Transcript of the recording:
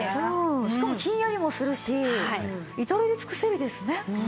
しかもひんやりもするし至れり尽くせりですね。